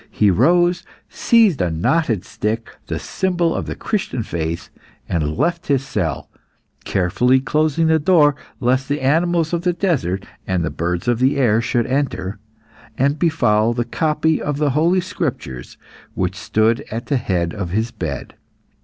He rose, seized a knotted stick, the symbol of the Christian faith, and left his cell, carefully closing the door, lest the animals of the desert and the birds of the air should enter, and befoul the copy of the Holy Scriptures which stood at the head of his bed.